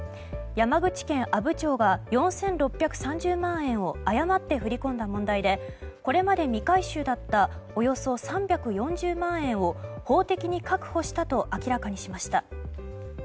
山口県阿武町が４６３０万円を誤って振り込んだ問題でこれまで未回収だったおよそ３４０万円を法的に確保したと明らかにしました。